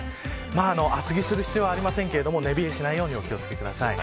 厚着する必要はありませんが寝冷えしないように気を付けてください。